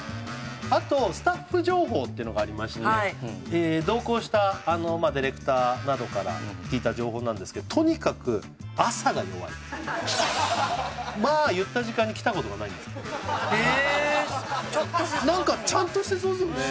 あとスタッフ情報っていうのがありまして同行したディレクターなどから聞いた情報なんですけどとにかく朝が弱いまー言った時間に来たことがないんですってへえちゃんとしてそうなのにちゃんとしてそうですよね